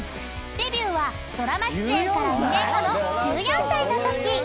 ［デビューはドラマ出演から２年後の１４歳のとき］